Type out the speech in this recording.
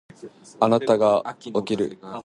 あなたは起きるのが遅い